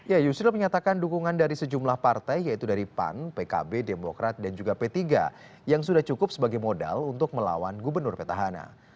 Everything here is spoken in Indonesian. ya yusril menyatakan dukungan dari sejumlah partai yaitu dari pan pkb demokrat dan juga p tiga yang sudah cukup sebagai modal untuk melawan gubernur petahana